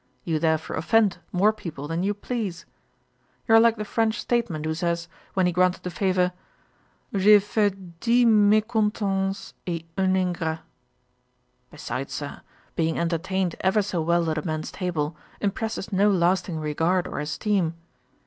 You therefore offend more people than you please. You are like the French statesman, who said, when he granted a favour, 'J' ai fait dix mecontents et un ingrat.' Besides, Sir, being entertained ever so well at a man's table, impresses no lasting regard or esteem.